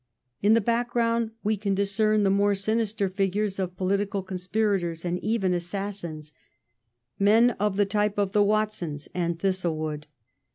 In the background we can discern the more sinister figures of political conspirators and even assassins, — men of the type of the Watsons and Thistlewood.